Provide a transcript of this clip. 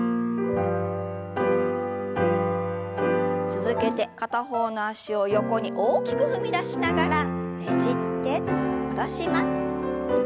続けて片方の脚を横に大きく踏み出しながらねじって戻します。